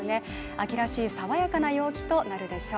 秋らしい爽やかな陽気となるでしょう。